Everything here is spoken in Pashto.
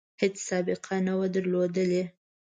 هیڅ سابقه نه وه درلودلې.